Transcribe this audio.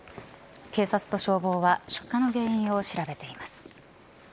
警察と消防は出火の原因を調べています。